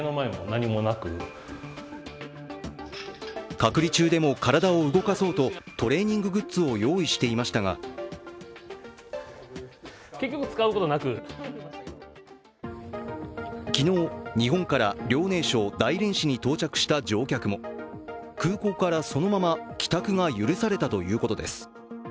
隔離中でも体を動かそうとトレーニンググッズを用意していましたが昨日、日本から遼寧省大連市に到着した乗客も空港からそのまま帰宅が許されたということです。